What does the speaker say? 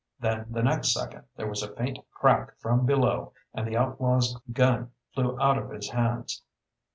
Then the next second there was a faint crack from below and the outlaw's gun flew out of his hands.